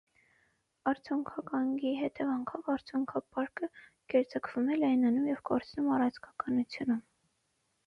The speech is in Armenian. Արցունքականգի հետևանքով արցունքապարկը գերձգվում է, լայնանում և կորցնում առաձգականությունը։